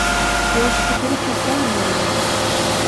Georg tycker riktigt bra om dig, Lily.